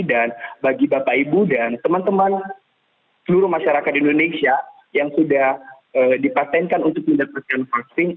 dan bagi bapak ibu dan teman teman seluruh masyarakat indonesia yang sudah dipatenkan untuk mendapatkan vaksin